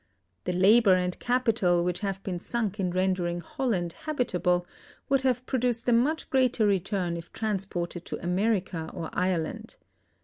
The labor and capital which have been sunk in rendering Holland habitable would have produced a much greater return if transported to America or Ireland.